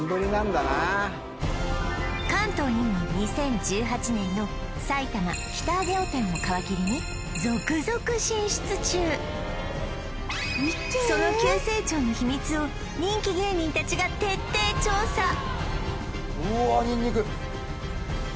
関東にも２０１８年の埼玉北上尾店を皮切りに続々進出中その急成長の秘密を人気芸人たちが徹底調査